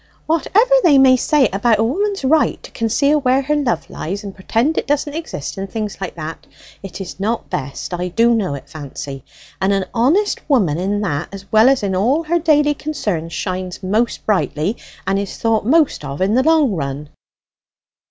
Whatever they may say about a woman's right to conceal where her love lies, and pretend it doesn't exist, and things like that, it is not best; I do know it, Fancy. And an honest woman in that, as well as in all her daily concerns, shines most brightly, and is thought most of in the long run."